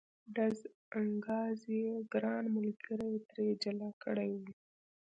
ډز انګاز یې ګران ملګري ترې جلا کړی و.